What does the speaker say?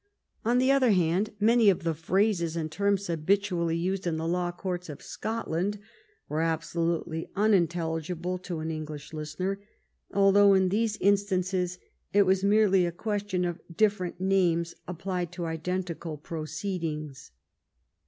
On the other hand, many of the phrases and terms habitually used in the law courts of Scotland were absolutely unintelligible to an English listener, although in these instances it was merely a question of different names applied to identical proceedings.